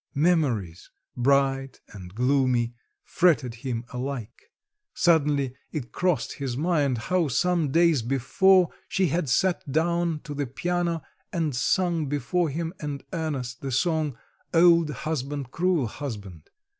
Memories bright and gloomy fretted him alike; suddenly it crossed his mind how some days before she had sat down to the piano and sung before him and Ernest the song, "Old husband, cruel husband!"